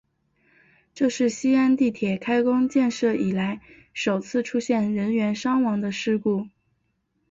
这是西安地铁开工建设以来首次出现人员伤亡的事故。